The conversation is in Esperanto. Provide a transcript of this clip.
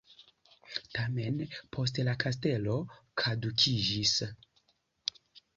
Tamen poste la kastelo kadukiĝis.